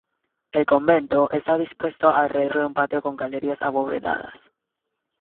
El convento está dispuesto alrededor de un patio con galerías abovedadas.